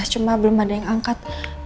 cuma belum ada yang angkat